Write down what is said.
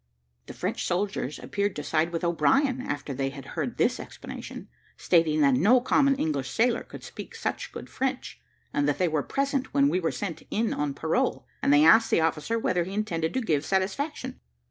The French soldiers appeared to side with O'Brien after they had heard this explanation, stating that no common English sailor could speak such good French, and that they were present when we were sent in on parole, and they asked the officer whether he intended to give satisfaction.